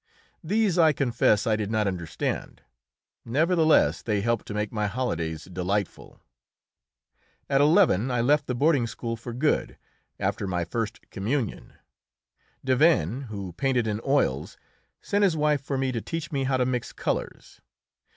These, I confess, I did not understand; nevertheless, they helped to make my holidays delightful. At eleven I left the boarding school for good, after my first communion. Davesne, who painted in oils, sent his wife for me to teach me how to mix colours.